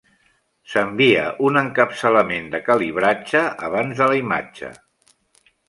S'envia un encapçalament de calibratge abans de la imatge.